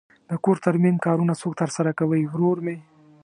د کور ترمیم کارونه څوک ترسره کوی؟ ورور می